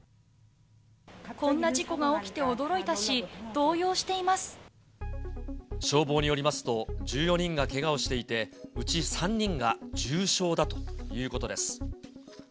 こんな事故が起きて驚いたし、消防によりますと、１４人がけがをしていて、うち３人が重傷だということです。